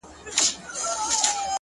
دا روڼه ډېــوه مي پـه وجـود كي ده،